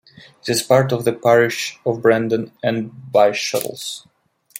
It is part of the parish of Brandon and Byshottles.